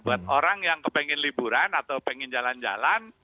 buat orang yang kepengen liburan atau pengen jalan jalan